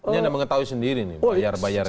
ini anda mengetahui sendiri nih bayar bayar ini